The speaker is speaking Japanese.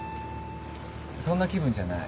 そんな気分じゃない。